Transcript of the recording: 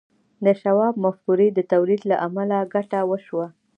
د شواب د مفکورې د تولید له امله ګټه وشوه